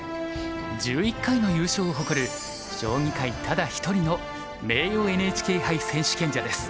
１１回の優勝を誇る将棋界ただ一人の名誉ＮＨＫ杯選手権者です。